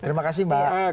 terima kasih mbak